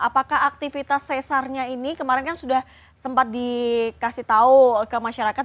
apakah aktivitas sesarnya ini kemarin kan sudah sempat dikasih tahu ke masyarakat